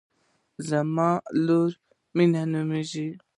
زما لور مینه نومیږي